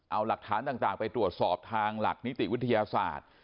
เอาหลักฐานต่างไปตรวจสอบทางหลักนิติวิทยาศาสตร์